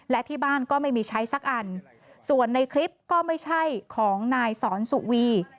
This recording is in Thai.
และที่บ้านก็ไม่มีใช้สักอันส่วนในคลิปก็ไม่ใช่ของนายสอนสุวี